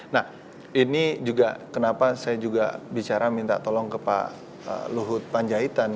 nah ini juga kenapa saya juga bicara minta tolong ke pak luhut panjaitan